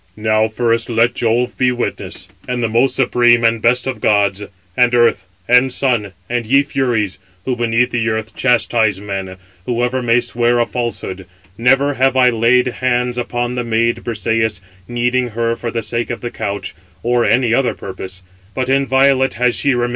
"Now first let Jove be witness, the most supreme and best of gods, and Earth, and Sun, and ye Furies, who beneath the earth chastise men, whoever may swear a falsehood; never have I laid hands upon the maid Briseïs, needing her for the sake of the couch, or any other purpose; but inviolate has she remained in my tents.